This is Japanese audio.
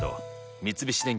三菱電機